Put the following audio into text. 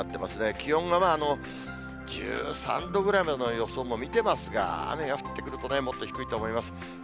気温が１３度ぐらいまでの予想も見てますが、雨が降ってくると、もっと低いと思います。